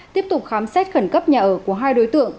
tiếp tục khám xét khẩn cấp nhà ở của hai đối tượng